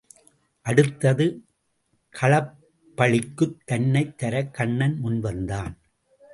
அடுத்தது களப்பளிக்குத் தன்னைத் தரக் கண்ணன் முன் வந்தான்.